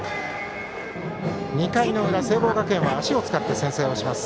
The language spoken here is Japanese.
２回の裏、聖望学園は足を使って先制します。